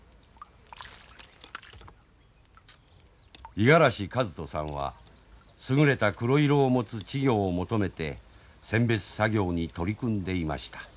五十嵐千人さんは優れた黒色を持つ稚魚を求めて選別作業に取り組んでいました。